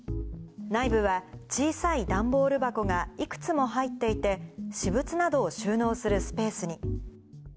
内部は、小さい段ボール箱がいくつも入っていて、私物などを収納するスペースに。